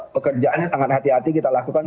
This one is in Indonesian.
pekerjaannya sangat hati hati kita lakukan